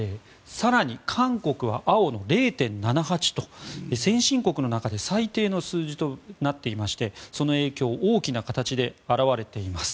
更に韓国は青の０．７８と先進国の中で最低の数字となっていましてその影響大きな形で表れています。